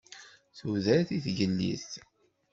Tudert i tgellidt!